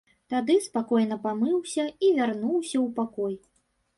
Тады спакойна памыўся і вярнуўся ў пакой.